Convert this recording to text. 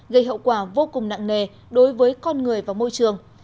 gây hậu quả vô cùng nặng nề đối với con người và môi trường